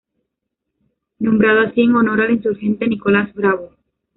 Nombrado así en honor al insurgente Nicolás Bravo.